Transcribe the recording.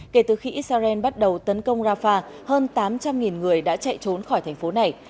kể từ khi israel bắt đầu tấn công rafah hơn tám trăm linh người đã chạy trốn khỏi thành phố này